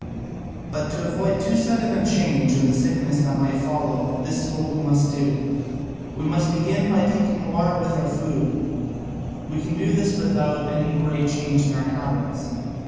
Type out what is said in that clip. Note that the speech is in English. But to avoid too sudden a change and the sickness that might follow, this is what we must do. We must begin by taking water with our food: we can do this without any great change in our habits.